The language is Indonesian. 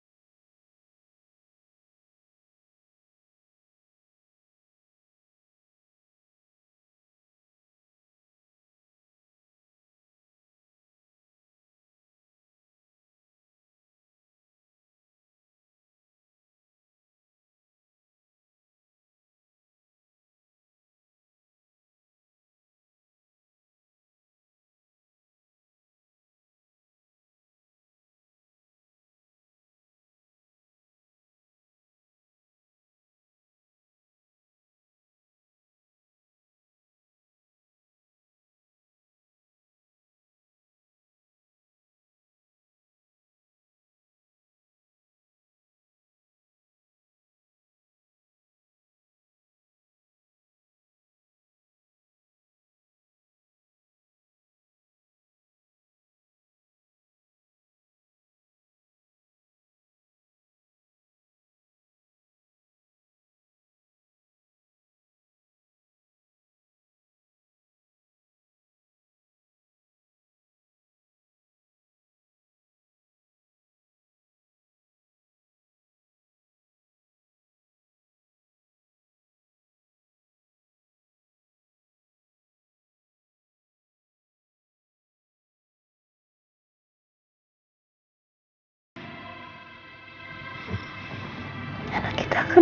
menggantikan anak anak kita